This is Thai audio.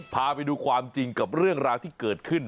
พาไปดูความจริงกับเรื่องราวที่เกิดขึ้น